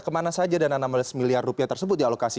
kemana saja dana enam belas miliar rupiah tersebut dialokasi